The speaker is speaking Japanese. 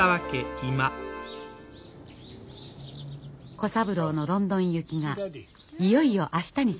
小三郎のロンドン行きがいよいよ明日に迫っていました。